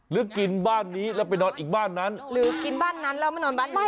หรือกินบ้านนี้แล้วไปนอนอีกบ้านนั้นหรือกินบ้านนั้นแล้วไม่นอนบ้านนั้น